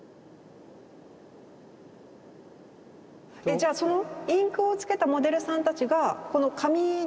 じゃあインクをつけたモデルさんたちがこの紙の。